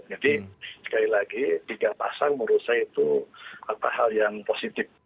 jadi sekali lagi tiga pasang menurut saya itu apa hal yang positif